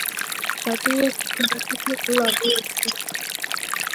打击乐器可能是最古老的乐器。